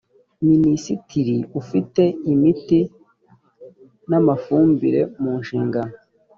minisitiri ufite imiti n amafumbire mu nshingano